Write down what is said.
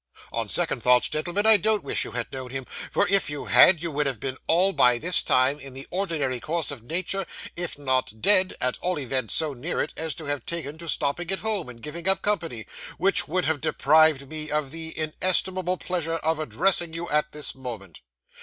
On second thoughts, gentlemen, I don't wish you had known him, for if you had, you would have been all, by this time, in the ordinary course of nature, if not dead, at all events so near it, as to have taken to stopping at home and giving up company, which would have deprived me of the inestimable pleasure of addressing you at this moment.